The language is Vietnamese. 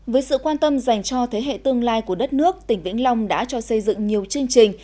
với sự quan tâm dành cho thế hệ tương lai của đất nước tỉnh vĩnh long đã cho xây dựng nhiều chương trình